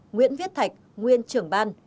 nguyễn viết thạch nguyên trưởng ban